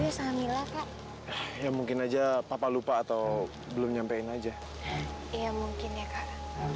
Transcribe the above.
ya sama mila kak ya mungkin aja papa lupa atau belum nyampein aja ya mungkin ya kak